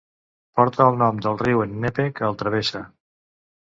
Porta el nom del riu Ennepe que el travessa.